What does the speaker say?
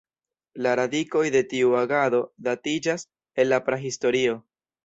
La radikoj de tiu agado datiĝas el la Prahistorio.